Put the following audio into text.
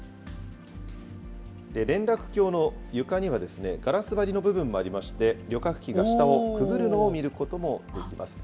連絡橋の床には、ガラス張りの部分もありまして、旅客機が下をくぐるのを見ることもできます。